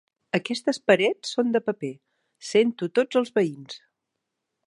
Aquestes parets són de paper, sento tots els veïns.